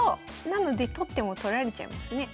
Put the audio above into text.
なので取っても取られちゃいますね。